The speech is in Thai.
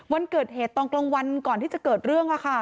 วันเกิดเหตุตอนกลางวันก่อนที่จะเกิดเรื่อง